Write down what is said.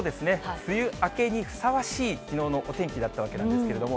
梅雨明けにふさわしいきのうのお天気だったわけなんですけれども。